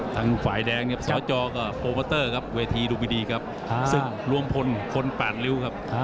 ทางฝ่ายแดงสจก็โปรเมอร์เตอร์ครับเวทีดูดีดีครับซึ่งร่วมพลคน๘ริ้วครับ